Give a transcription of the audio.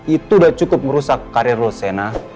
itu udah cukup ngerusak karir lo sena